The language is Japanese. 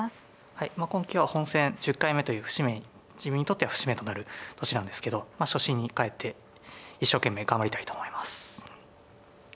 はい今期は本戦１０回目という節目に自分にとっては節目となる年なんですけど初心に帰って一生懸命頑張りたいと思います。